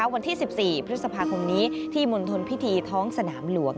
วันที่๑๔พฤษภาคมนี้ที่มณฑลพิธีท้องสนามหลวง